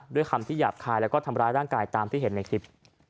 คำที่หยาบคายแล้วก็ทำร้ายร่างกายตามที่เห็นในคลิป